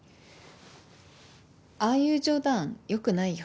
ああいう冗談良くないよ。